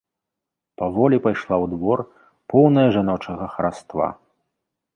Паволi пайшла ў двор, поўная жаночага хараства.